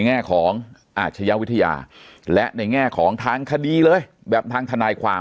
แง่ของอาชญาวิทยาและในแง่ของทางคดีเลยแบบทางทนายความ